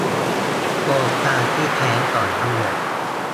โครงการที่แท้งก่อนกำหนด